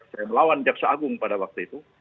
saya melawan jaksa agung pada waktu itu